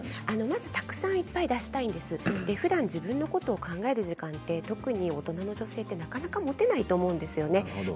まずたくさん出したいんですふだん自分のことを考える時間って特に大人の女性ってなかなか持てないと思うんですよね。